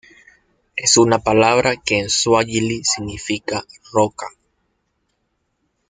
Es una palabra que en suajili significa "roca".